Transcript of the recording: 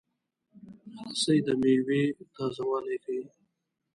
رس د میوې تازهوالی ښيي